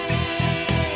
saya yang menang